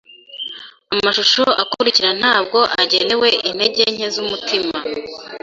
Amashusho akurikira ntabwo agenewe intege nke z'umutima.